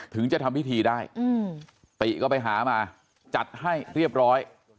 ถึงจะทำพิธีได้ติก็ไปหามาจัดให้เรียบร้อย